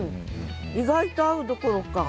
意外と合うどころか。